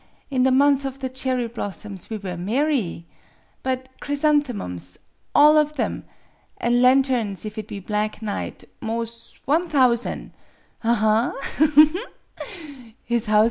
In the month of the cherry blossoms we were marry ! But chrysanthemums all of them ! An' lanterns if it be black night 'mos' one thousan'! Aha, ha, ha!